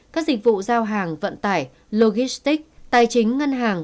các dịch vụ giao hàng vận tải logistic tài chính ngân hàng